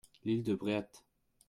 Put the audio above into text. L’île de Bréhat.